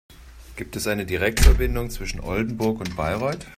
Gibt es eine Direktverbindung zwischen Oldenburg und Bayreuth?